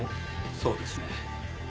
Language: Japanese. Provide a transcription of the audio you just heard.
そうですね。